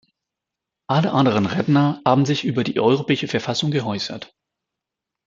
Alle anderen Redner haben sich über die europäische Verfassung geäußert.